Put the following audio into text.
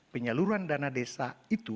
penyaluran dana desa itu